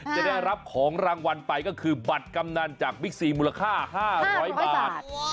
จะได้รับของรางวัลไปก็คือบัตรกำนันจากบิ๊กซีมูลค่า๕๐๐บาท